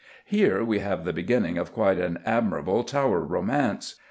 Here we have the beginning of quite an admirable Tower romance.